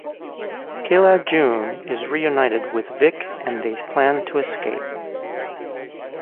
Quilla June is reunited with Vic and they plan to escape.